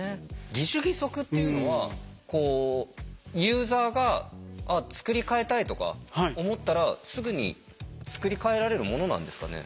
義手義足っていうのはこうユーザーが作り替えたいとか思ったらすぐに作り替えられるものなんですかね？